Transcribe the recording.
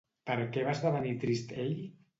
Per què va esdevenir trist ell?